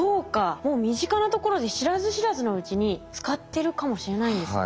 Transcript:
もう身近なところで知らず知らずのうちに使ってるかもしれないんですね。